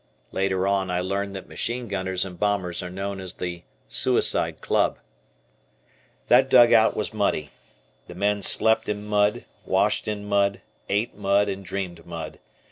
Later on I learned that machine gunners and bombers are known as the "Suicide Club." That dugout was muddy. The men slept in mud, washed in mud, ate mud, and dreamed mud.